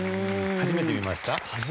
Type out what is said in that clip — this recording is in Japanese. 初めて見ました。